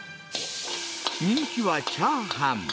人気はチャーハン。